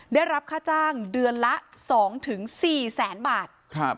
ได้รับค่าจ้างเดือนละ๒๔แสนบาท